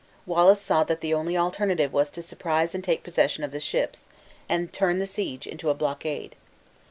Wallace saw that the only alternative was to surprise and take possession of the ships, and turn the siege into a blockade.